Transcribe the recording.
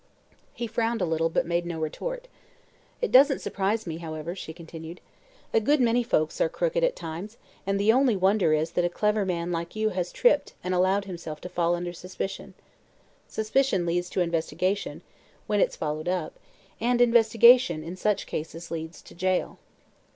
He frowned a little but made no retort. "It doesn't surprise me, however," she continued. "A good many folks are crooked, at times, and the only wonder is that a clever man like you has tripped and allowed himself to fall under suspicion. Suspicion leads to investigation when it's followed up and investigation, in such cases, leads to jail."